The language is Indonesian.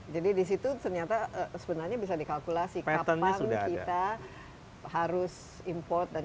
jadi di situ sebenarnya bisa dikalkulasi kapan kita harus import